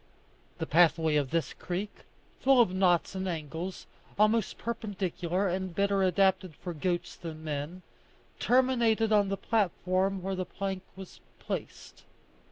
The pathway of this creek, full of knots and angles, almost perpendicular, and better adapted for goats than men, terminated on the platform where the plank was placed.